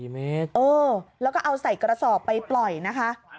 ๔เมตรแล้วก็เอาใส่กระสอบไปปล่อยนะคะ